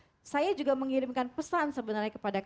dan saya juga mengirimkan pesan sebenarnya kepada mereka